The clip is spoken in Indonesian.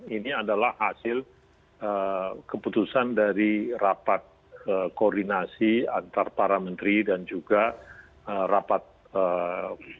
ini adalah hasil keputusan dari rapat koordinasi antara para menteri dan juga rapat kabinet